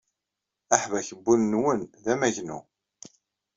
Aḥbak n wul-nwen d amagnu.